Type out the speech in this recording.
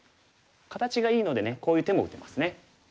形がいいのでねこういう手も打てますね。